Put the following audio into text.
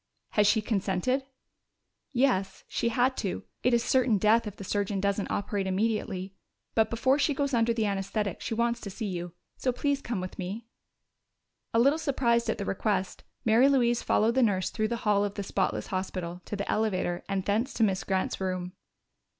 "Has she consented?" "Yes. She had to. It is certain death if the surgeon doesn't operate immediately. But before she goes under the anesthetic she wants to see you. So please come with me." A little surprised at the request, Mary Louise followed the nurse through the hall of the spotless hospital to the elevator and thence to Miss Grant's room.